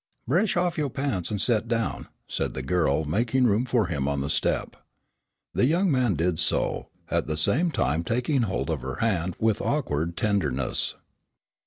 "Bresh off yore pants an' set down," said the girl making room for him on the step. The young man did so, at the same time taking hold of her hand with awkward tenderness.